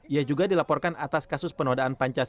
ia juga dilaporkan atas kasus penodaan pancasila